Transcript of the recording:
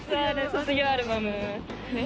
卒業アルバム。